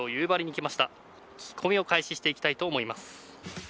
聞き込みを開始していきたいと思います。